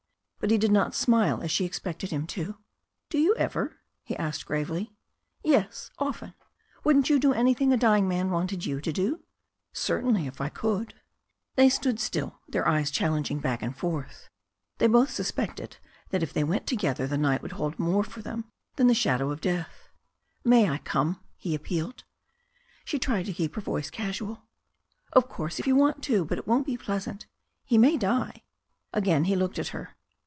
*' But he did not smile, as she expected him to. "Do you ever?" he asked gravely. "Yes, often. Wouldn't you do anything a dying man wanted you to do?" > "Certainly, if I could." "] THE STORY OF A NEW ZEALAND RIVEE 311 They stood still, their eyes challenging back and forth. They both suspected that if they went together the night would hold more for them than the shadow of death. "May I come?" he appealed. She tried to keep her voice casual. "Of course, if you want to. But it won't be pleasant. He may die." Again he looked at her.